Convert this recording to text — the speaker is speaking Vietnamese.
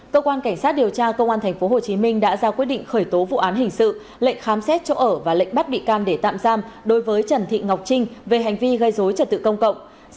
cơ quan cảnh sát điều tra công an tp hcm đã ra quyết định khởi tố vụ án hình sự lệnh khám xét chỗ ở và lệnh bắt bị can để tạm giam đối với trần thị ngọc trinh về hành vi gây dối trật tự công cộng